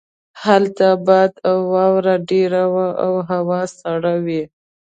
هلته باد او واوره ډیره وی او هوا سړه وي